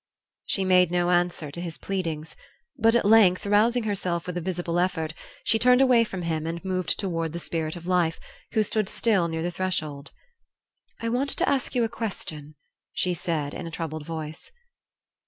She made no answer to his pleadings, but at length, rousing herself with a visible effort, she turned away from him and moved toward the Spirit of Life, who still stood near the threshold. "I want to ask you a question," she said, in a troubled voice.